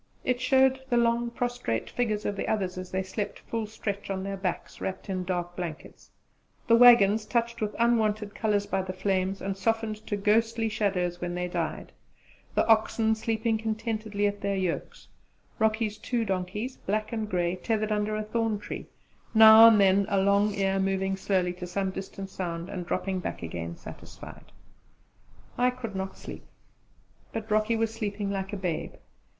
It showed the long prostrate figures of the others as they slept full stretch on their backs, wrapped in dark blankets; the waggons, touched with unwonted colours by the flames, and softened to ghostly shadows when they died; the oxen, sleeping contentedly at their yokes; Rocky's two donkeys, black and grey, tethered under a thorn tree now and then a long ear moving slowly to some distant sound and dropping back again satisfied. I could not sleep; but Rocky was sleeping like a babe.